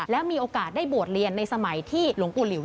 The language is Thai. และมีโอกาสได้บวชเรียนในสมัยที่หลวงปู่หลิว